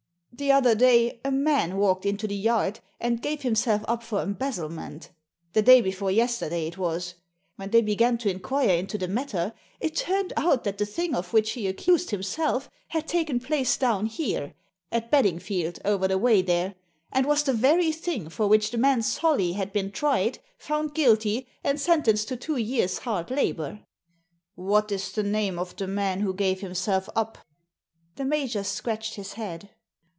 The other day a man walked into the Yard and gave himself up for embezzlement — the day before yesterday it was. When they began to inquire into the matter, it turned out that the thing of which he accused himself had taken place down here — at Bedingfield, over the way there — and was the very thing for which the man Solly had been tried, found guilty, and sentenced to two years' hard labour." '* What is the name of the man who gave himself up? The major scratched his head.